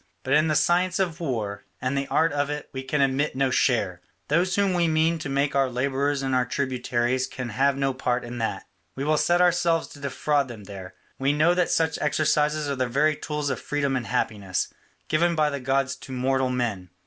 But in the science of war and the art of it we can admit no share; those whom we mean to make our labourers and our tributaries can have no part in that; we will set ourselves to defraud them there; we know that such exercises are the very tools of freedom and happiness, given by the gods to mortal men.